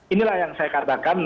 inilah yang saya katakan